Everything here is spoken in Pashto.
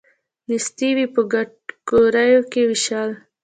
نیستي وی په کټګوریو یې ویشل.